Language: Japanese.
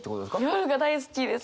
夜が大好きです。